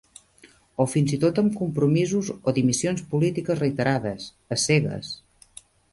O fins i tot amb compromisos o dimissions polítiques reiterades, a cegues.